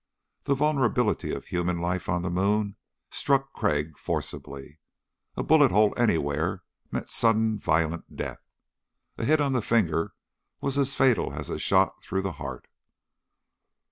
The vulnerability of human life on the moon struck Crag forcibly. A bullet hole anywhere meant sudden violent death. A hit on the finger was as fatal as a shot through the heart.